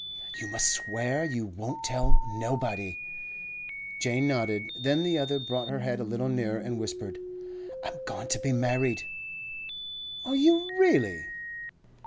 'You must swear you won't tell nobody.' Jane nodded. Then the other brought her head a little nearer, and whispered: 'I'm goin' to be married!' 'Are you really?